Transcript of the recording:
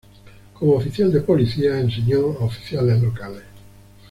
Como oficial de policía, enseñó a oficiales locales.